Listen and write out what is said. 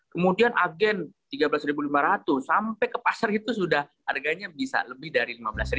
kemudian agen rp tiga belas lima ratus sampai ke pasar itu sudah harganya bisa lebih dari rp lima belas